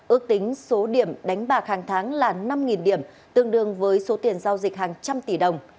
ước tính số điểm đánh bạc hàng tháng là năm điểm tương đương với số tiền giao dịch hàng trăm tỷ đồng